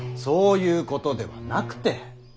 そういうことではなくて。